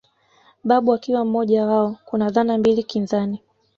Babu akiwa mmoja wao Kuna dhana mbili kinzani